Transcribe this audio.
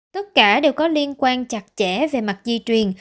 tất cả đều có liên quan chặt chẽ về mặt di truyền